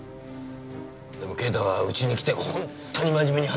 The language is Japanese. でも啓太はうちに来て本当に真面目に働いて。